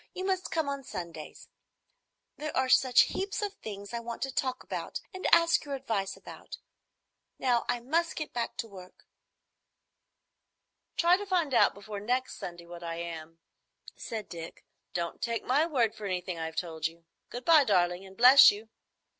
You must come on Sundays. There are such heaps of things I want to talk about and ask your advice about. Now I must get back to work." "Try to find out before next Sunday what I am," said Dick. "Don't take my word for anything I've told you. Good bye, darling, and bless you."